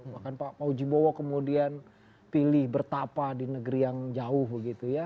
bahkan pak maujibowo kemudian pilih bertapa di negeri yang jauh begitu ya